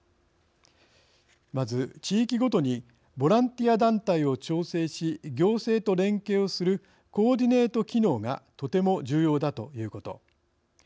まず地域ごとにボランティア団体を調整し行政と連携をするコーディネート機能がとても重要だということ。